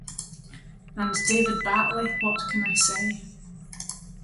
And David Battley - what can I say?